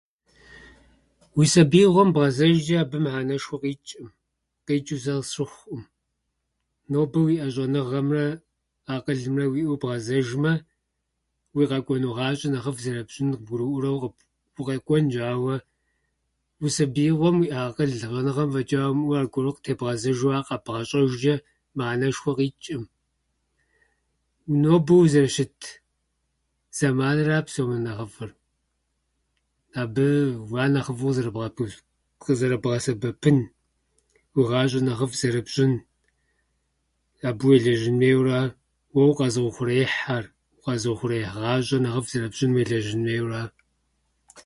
Уи сабиигъуэм бгъэзэжчӏэ, абы мыхьэнэшхуэ къичӏӏым, къичӏу сэ къысщыхъуӏым. Нобэ уиӏэ щӏэныгъэмрэ акъылымрэ уиӏэу бгъэзэжмэ, уи къэкӏуэну гъащӏэр нэхъыфӏ зэрыпщӏынур къыбгурыӏуэурэ укъэкӏуэнщ, ауэ уи сабиигъуэм уиӏа акъыл щӏэныгъэм фӏэчӏа уимыӏэу, аргуэру къытебгъэзэжу ар къэбгъэщӏэжчӏэ мыхьэнэшхуэ къичӏӏым. Нобэ узэрыщыт зэманыра псом нэ нэхъыфӏыр. абы- Ар нэхъыфӏу [unintelligible] къызэрыбгъэсэбэпын, уи гъащӏэр нэхъыфӏ зэрыпщӏын, абы уелэжьын хуейуэ ара. Уэ укъэзыухъуреихьхьэр, укъэзыухъуреихь гъащӏэр нэхъыфӏ зэрыпщӏыным уелэжьын хуейуэ ара.